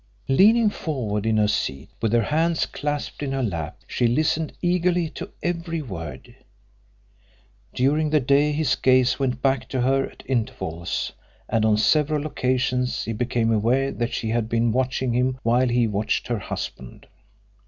Leaning forward in her seat, with her hands clasped in her lap, she listened eagerly to every word. During the day his gaze went back to her at intervals, and on several occasions he became aware that she had been watching him while he watched her husband.